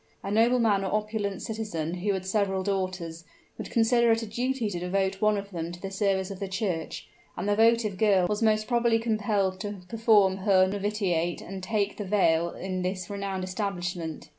A nobleman or opulent citizen who had several daughters, would consider it a duty to devote one of them to the service of the church; and the votive girl was most probably compelled to perform her novitiate and take the veil in this renowned establishment.